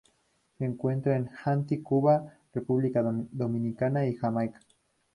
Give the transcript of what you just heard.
Se encuentra en Haití, Cuba, República Dominicana y Jamaica.